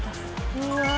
うわ！